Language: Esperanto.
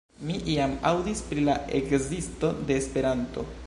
Mi iam aŭdis pri la ekzisto de Esperanto.